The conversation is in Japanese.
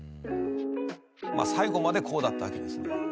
まあ最後までこうだったわけですね。